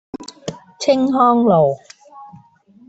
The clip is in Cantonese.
青康路